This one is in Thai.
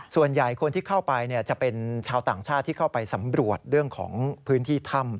ส่วนใหญ่คนที่เข้าไปจะเป็นชาวต่างชาติที่เข้าไปสำรวจเรื่องของพื้นที่ถ้ำ